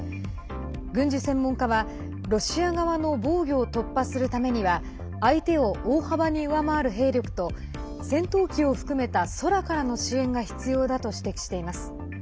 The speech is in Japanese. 軍事専門家は、ロシア側の防御を突破するためには相手を大幅に上回る兵力と戦闘機を含めた空からの支援が必要だと指摘しています。